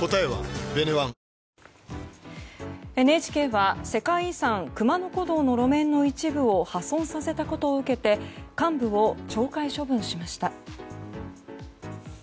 ＮＨＫは世界遺産熊野古道の路面の一部を破損させたことを受けて幹部を懲戒処分しました。